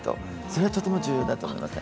それがとても重要だと思います。